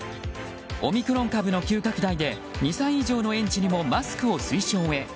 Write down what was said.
オミクロン株の急拡大で２歳以上の園児にもマスクを推奨へ。